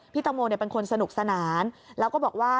ตังโมเป็นคนสนุกสนานแล้วก็บอกว่า